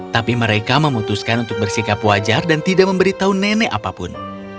tapi mereka memutuskan untuk bersikap wajar dan tidak memberitahu nenek apapun